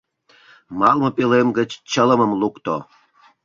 Малыме пӧлем гыч чылымым лукто...